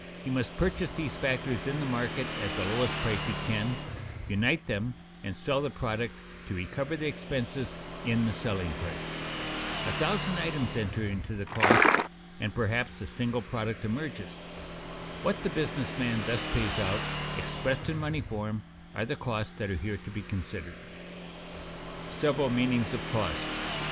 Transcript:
He must purchase these factors in the market at the lowest price he can, unite them and sell the product to recover the expenses in the selling price. A thousand items enter into the cost and perhaps a single product emerges. What the business man thus pays out, expressed in money form, are the costs that are here to be considered. [Sidenote: Several meanings of cost] 2.